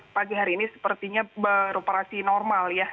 pagi hari ini sepertinya beroperasi normal ya